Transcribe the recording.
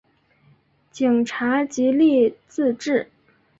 警察极力自制